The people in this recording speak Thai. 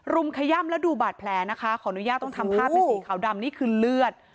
มขย่ำแล้วดูบาดแผลนะคะขออนุญาตต้องทำภาพเป็นสีขาวดำนี่คือเลือด